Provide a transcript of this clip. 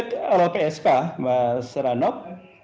saya mengikuti konteks lpsk